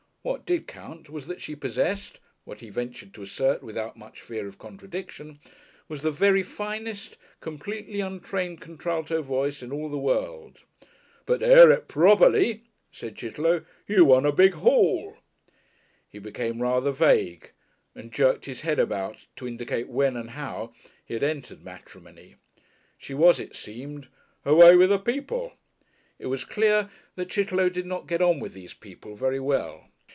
What did count was that she possessed, what he ventured to assert without much fear of contradiction, was the very finest, completely untrained contralto voice in all the world. ("But to hear it properly," said Chitterlow, "you want a Big Hall.") He became rather vague and jerked his head about to indicate when and how he had entered matrimony. She was, it seemed, "away with her people." It was clear that Chitterlow did not get on with these people very well.